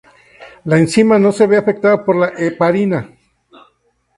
La enzima no se ve afectada por la heparina.